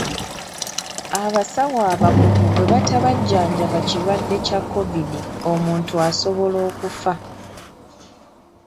Abasawo abakugu bwe batabajjanjaba kirwadde kya Kovidi omuntu asobola okufa.